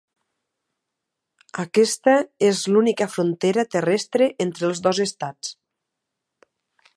Aquesta és l'única frontera terrestre entre els dos Estats.